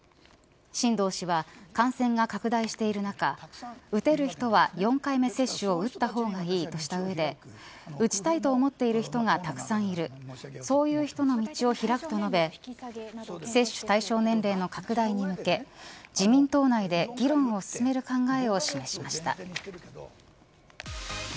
新藤氏は感染が拡大している中打てる人は４回目接種を打った方がいいとしたうえで打ちたいと思っている人がたくさんいるそういう人の道を開くと述べ接種対象年齢の拡大に向け自民党内で議論を進める考えを示しました。